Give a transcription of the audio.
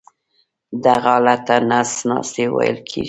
دغه حالت ته نس ناستی ویل کېږي.